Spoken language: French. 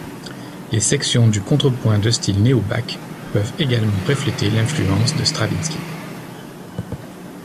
Les sections du contrepoint de style néo-Bach peuvent également refléter l'influence de Stravinsky.